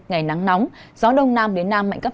ngày nắng nóng gió đông nam đến nam mạnh cấp hai cấp ba